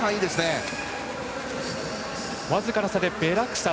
僅かな差でベラクサ。